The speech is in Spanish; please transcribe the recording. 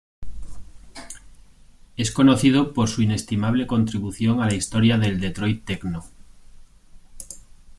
Es conocido por su inestimable contribución a la historia del Detroit techno.